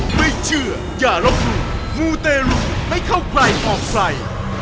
ไม่เชื่ออย่ารับรู้มูเตรุไม่เข้าไกลออกไฟ